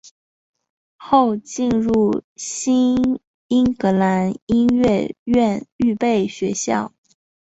后进入新英格兰音乐院预备学校。